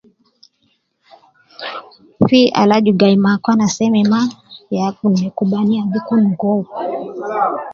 Fi al aju gai me akwana seme ma ya kun me kubaniya gi kun gowu